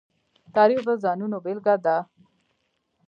تاریخ د ځانونو بېلګه ده.